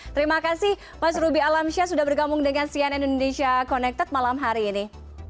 terima kasih mas ruby alamsyah sudah bergabung dengan cn indonesia connected malam hari ini